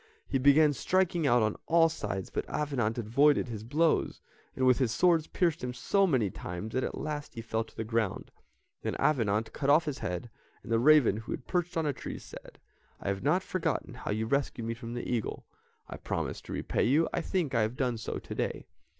He began striking out on all sides, but Avenant avoided his blows, and with his sword pierced him so many times that at last he fell to the ground. Then Avenant cut off his head, and the raven, who had perched on a tree, said, "I have not forgotten how you rescued me from the eagle; I promised to repay you, I think I have done so to day."